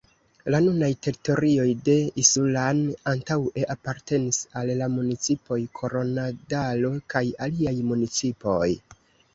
La nunaj teritorioj de Isulan antaŭe apartenis al la municipoj Koronadalo kaj aliaj municipoj.